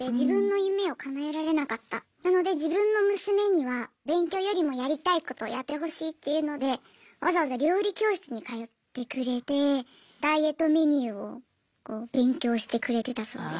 なので自分の娘には勉強よりもやりたいことやってほしいっていうのでわざわざ料理教室に通ってくれてダイエットメニューを勉強してくれてたそうです。